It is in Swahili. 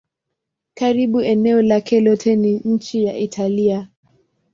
Karibu eneo lake lote ni nchi ya Italia.